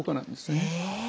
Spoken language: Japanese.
へえ！